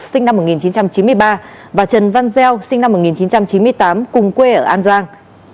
sinh năm một nghìn chín trăm chín mươi ba và trần văn gieo sinh năm một nghìn chín trăm chín mươi tám cùng quê ở an giang